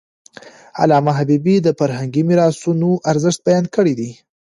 علامه حبيبي د فرهنګي میراثونو ارزښت بیان کړی دی.